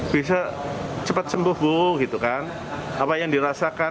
bisa cepat sembuh apa yang dirasakan